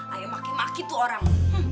ayo maki maki tuh orang